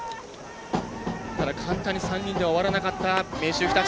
簡単に３人では終わらなかった明秀日立。